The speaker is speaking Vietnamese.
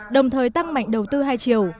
đồng thời tăng mạnh đầu tư hai triệu